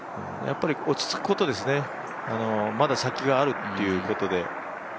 落ち着くことですねまだ先があるっていうことで。